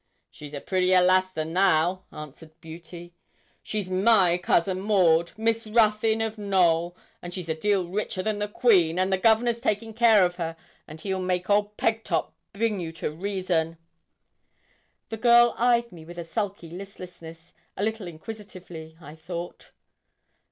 'She is a prettier lass than thou,' answered Beauty. 'She's my cousin Maud Miss Ruthyn of Knowl and she's a deal richer than the Queen; and the Governor's taking care of her; and he'll make old Pegtop bring you to reason.' The girl eyed me with a sulky listlessness, a little inquisitively, I thought.